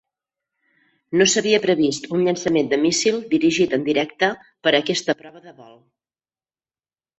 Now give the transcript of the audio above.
No s'havia previst un llançament de míssil dirigit en directe per a aquesta prova de vol.